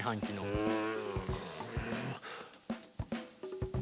うん。